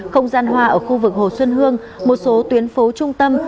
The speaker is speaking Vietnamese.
không gian hoa ở khu vực hồ xuân hương một số tuyến phố trung tâm